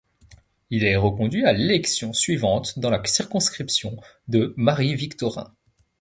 Il est reconduit à l'élection suivante dans la circonscription de Marie-Victorin.